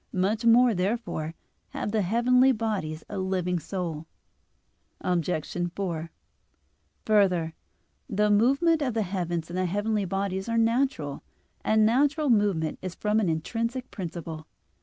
Much more, therefore, have the heavenly bodies a living soul. Obj. 4: Further, the movement of the heaven and the heavenly bodies are natural (De Coel. i, text. 7, 8): and natural movement is from an intrinsic principle.